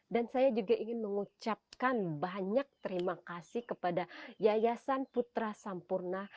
dan saya juga ingin mengucapkan banyak terima kasih kepada yayasan putra sampurna